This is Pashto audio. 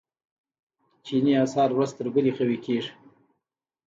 چیني اسعار ورځ تر بلې قوي کیږي.